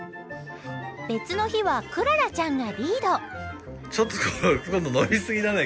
別の日はクララちゃんがリード。